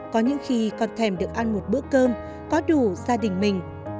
có những khi con thèm được ăn một bữa cơm có đủ gia đình mình